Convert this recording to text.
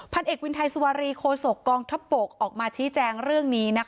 เอกวินไทยสุวารีโคศกกองทัพบกออกมาชี้แจงเรื่องนี้